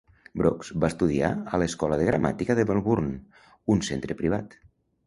Brookes va estudiar a l'Escola de Gramàtica de Melbourne, un centre privat.